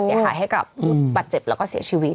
อย่าหายให้กลับปัดเจ็บแล้วก็เสียชีวิต